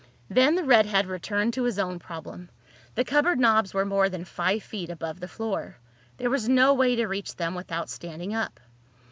Then the redhead returned to his own problem. The cupboard knobs were more than five feet above the floor. There was no way to reach them without standing up.